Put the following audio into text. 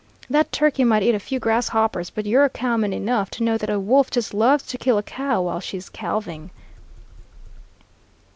That turkey might eat a few grasshoppers, but you're cowman enough to know that a wolf just loves to kill a cow while she's calving."